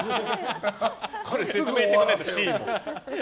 説明してくれないと、Ｃの。